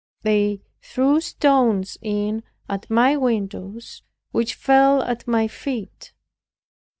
They threw stones in at my windows which fell at my feet.